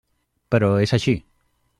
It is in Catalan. Però és així.